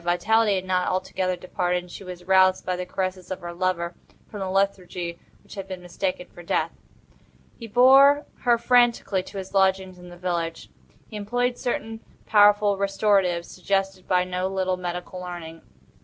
Vitality had not altogether departed, and she was aroused by the caresses of her lover from the lethargy which had been mistaken for death. He bore her frantically to his lodgings in the village. He employed certain powerful restoratives suggested by no little medical learning.